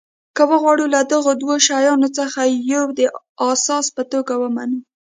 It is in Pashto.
که وغواړو له دغو دوو شیانو څخه یو د اساس په توګه ومنو.